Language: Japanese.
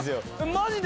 「マジで？」。